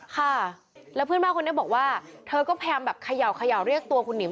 ค่ะแล้วเพื่อนบ้านคนนี้บอกว่าเธอก็พยายามแบบเขย่าเรียกตัวคุณหิว